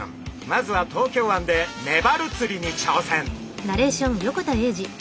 まずは東京湾でメバル釣りに挑戦！